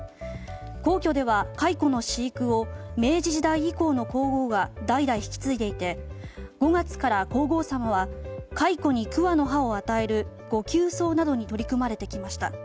皇居では蚕の飼育を明治時代以降の皇后が代々、引き継いでいて５月から皇后さまは蚕に桑の葉を与える御給桑などに取り組まれてきました。